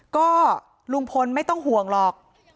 ก็ลุงพลไม่ต้องห่วงหรอก